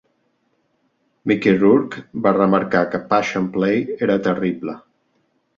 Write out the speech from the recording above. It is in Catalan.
Mickey Rourke va remarcar que "Passion play" era terrible.